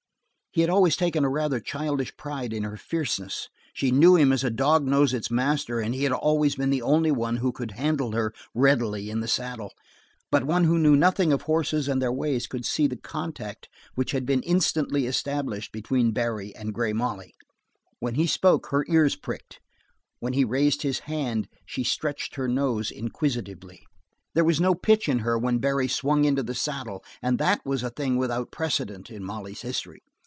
He had always taken a rather childish pride in her fierceness. She knew him as a dog knows its master and he had always been the only one who could handle her readily in the saddle. But one who knew nothing of horses and their ways could see the entente which had been instantly established between Barry and Grey Molly. When he spoke her ears pricked. When he raised his hand she stretched her nose inquisitively. There was no pitch in her when Barry swung into the saddle and that was a thing without precedent in Molly's history.